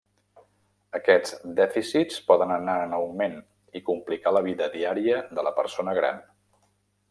Aquests dèficits poden anar en augment i complicar la vida diària de la persona gran.